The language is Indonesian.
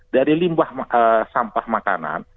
dari limbah sampah makanan